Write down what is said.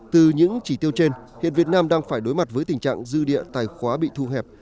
từ những chỉ tiêu trên hiện việt nam đang phải đối mặt với tình trạng dư địa tài khóa bị thu hẹp